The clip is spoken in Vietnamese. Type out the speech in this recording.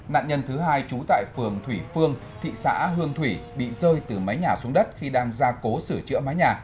nạn nhân thứ hai trú tại phường thủy phương thị xã hương thủy bị rơi từ máy nhà xuống đất khi đang ra cố sửa chữa máy nhà